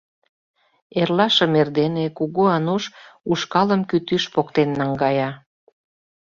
Эрлашым эрдене Кугу Ануш ушкалым кӱтӱш поктен наҥгая.